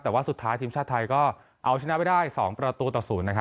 แต่ว่าสุดท้ายทีมชาติไทยก็เอาชนะไปได้๒ประตูต่อ๐นะครับ